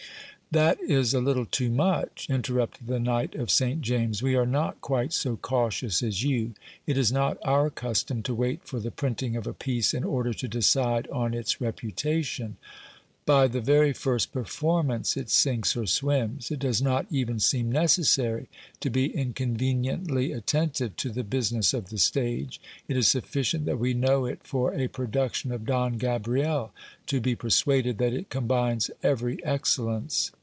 That is a little too much, interrupted the knight of St James. We are not quite so cautious as you. It is not our custom to wait for the printing of a piece in order to decide on its reputation. By the very first performance it sinks or swims. It does not even seem necessary to be inconveniently attentive to the business of the stage. It is sufficient that we know it for a production of Don Gabriel, to be persuaded that it combines every excellence.